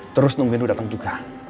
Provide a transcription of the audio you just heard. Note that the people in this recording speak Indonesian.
terus nungguin lo dateng juga